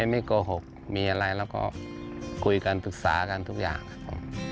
ไม่โกหกมีอะไรแล้วก็คุยกันปรึกษากันทุกอย่างครับผม